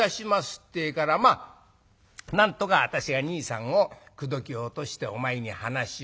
ってえからまあなんとか私が兄さんを口説き落としてお前に話をした。